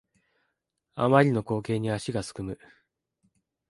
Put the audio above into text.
あまりの光景に足がすくむ